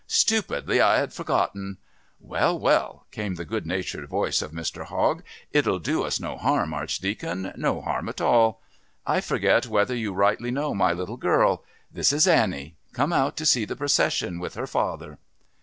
Stupidly, I had forgotten " "Well, well," came the good natured voice of Mr. Hogg. "It'll do us no harm, Archdeacon no harm at all. I forget whether you rightly know my little girl. This is Annie come out to see the procession with her father."